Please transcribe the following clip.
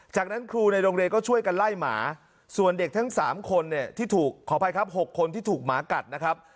จากนั้นครูในโรงเรียนก็ช่วยกันไล่หมาส่วนเด็กทั้ง๓คนเนี่ยที่ถูกขออภัยครับ๖คนที่ถูกหมากัดนะครับ